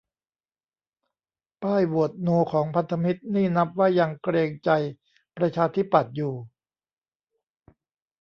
ป้ายโหวตโนของพันธมิตรนี่นับว่ายังเกรงใจประชาธิปัตย์อยู่